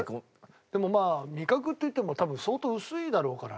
でもまあ味覚っていっても多分相当薄いだろうからね。